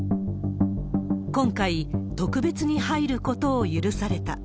今回、特別に入ることを許された。